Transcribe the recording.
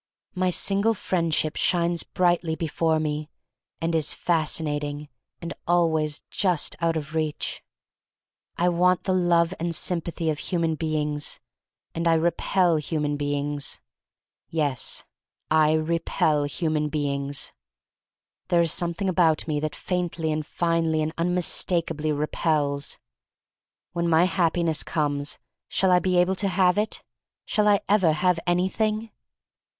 My single friendship shines brightly before me, and is fascinating — and always just out of my reach. . I want the love and sympathy of human beings, and I repel human beings. Yes, I repel human beings. There is something about me that faintly and finely and unmistakably repels. When my Happiness comes, shall I be able to have it? Shall I ever have anything?